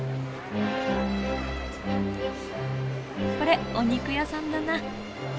これお肉屋さんだな。